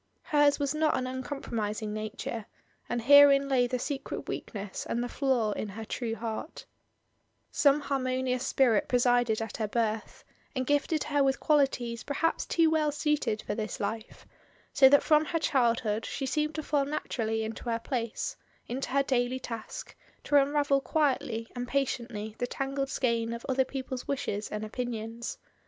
Hers was not an uncompromising nature, and herein lay the secret weakness and the flaw in her true heart Some harmonious spirit presided at her birth, and gifted her with qualities perhaps too well suited for this life, so that from her childhood she seemed to fall naturally into her place, into her daily task, to un ravel quietly and patiently the tangled skein of other people's wishes and opinions.